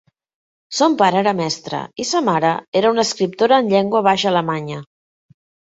Son pare era mestre i sa mare era una escriptora en llengua baix alemanya.